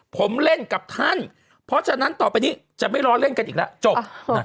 ผมเล่นกับท่านเพราะฉะนั้นต่อไปนี้จะไม่ล้อเล่นกันอีกแล้วจบ